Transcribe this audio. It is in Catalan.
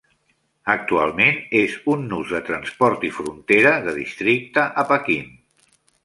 Actualment és un nus de transport i frontera de districte a Pequín.